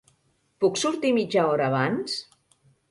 Puc sortir mitja hora abans?